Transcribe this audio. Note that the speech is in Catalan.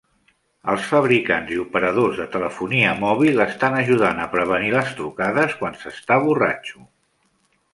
Els fabricants i operadors de telefonia mòbil estan ajudant a prevenir les trucades quan s'està borratxo.